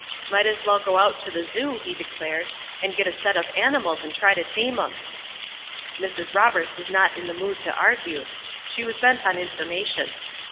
"Might as well go out to the Zoo," he declared, "and get a set of animals and try to tame 'em." Mrs. Roberts was not in the mood to argue; she was bent on information.